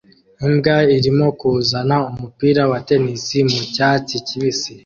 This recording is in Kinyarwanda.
Imbwa irimo kuzana umupira wa tennis mu cyatsi kibisi